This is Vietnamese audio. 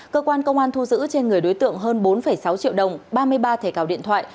cơ quan công an thu giữ trên người đối tượng hơn bốn sáu triệu đồng ba mươi ba thẻ cào điện thoại